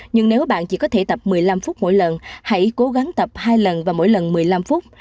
nhưng nếu bạn chỉ có thể tập một mươi năm phút mỗi lần hãy cố gắng tập hai lần và mỗi lần một mươi năm phút